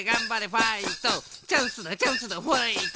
チャンスだチャンスだファイト！